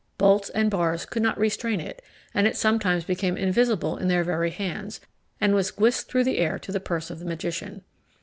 Bolts and bars could not restrain it, and it sometimes became invisible in their very hands, and was whisked through the air to the purse of the magician.